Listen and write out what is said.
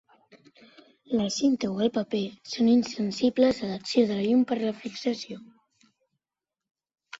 La cinta o el paper són insensibles a l'acció de la llum per la fixació.